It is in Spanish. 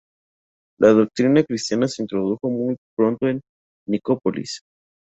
La doctrina cristiana se introdujo muy pronto en Nicópolis.